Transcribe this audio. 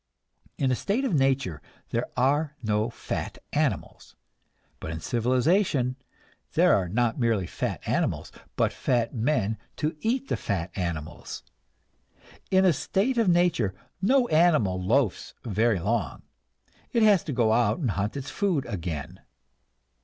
In a state of nature there are no fat animals, but in civilization there are not merely fat animals, but fat men to eat the fat animals. In a state of nature no animal loafs very long; it has to go out and hunt its food again.